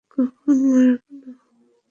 কখন মারা গেলো?